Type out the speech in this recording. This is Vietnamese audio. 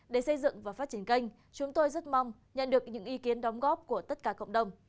để xây dựng và phát triển kênh chúng tôi rất mong nhận được những ý kiến đóng góp của tất cả cộng đồng